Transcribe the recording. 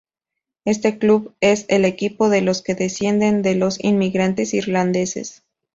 Este club es el equipo de los que descienden de los inmigrantes irlandeses.